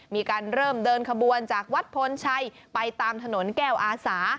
มีการเริ่มเดินขบวนจากวัดพลชัยไปตามถนนแก้วอาสา